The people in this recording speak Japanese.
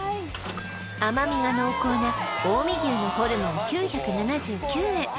甘みが濃厚な近江牛のホルモン９７９円